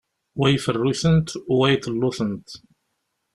Wa iferru-tent, wa iḍellu-tent.